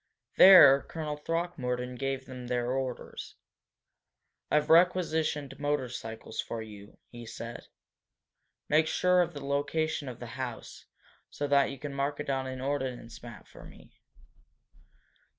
There Colonel Throckmorton gave them their orders. "I've requisitioned motorcycles for you," he said. "Make sure of the location of the house, so that you can mark it on an ordnance map for me.